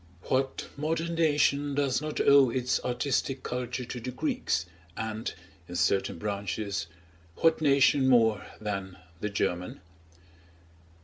What modern nation does not owe its artistic culture to the Greeks, and, in certain branches, what nation more than the German?